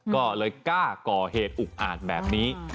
ก็เลยกล้าก่อเหตุอุกอาจแบบนี้